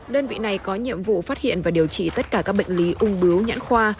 đơn vị này có nhiệm vụ phát hiện và điều trị tất cả các bệnh lý ung bướu nhãn khoa